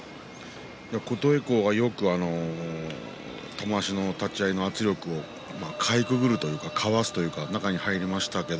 琴恵光がよく玉鷲は立ち合いの圧力をかいくぐるというかかわすというか中に入りました。